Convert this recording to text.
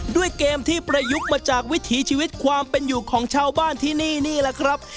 ด้วยเกมที่ประยุกต์มาจากวิถีชีวิตความเป็นอยู่ของชาวบ้านที่นี่นี่แหละครับ